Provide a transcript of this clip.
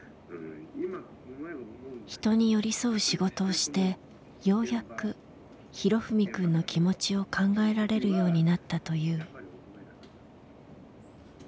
人に寄り添う仕事をしてようやく裕史くんの気持ちを考えられるようになったという。